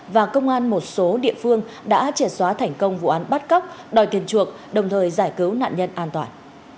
và công an một số địa phương đã trẻ xóa thành công vụ án bắt cóc đòi tiền chuộc đồng thời giải cứu nạn nhân an toàn